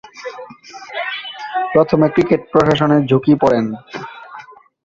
প্রথমে ক্রিকেট প্রশাসনে ঝুঁকে পড়েন।